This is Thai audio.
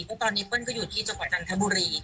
แล้วตอนนี้เปิ้ลก็อยู่ที่จักรจันทบุรี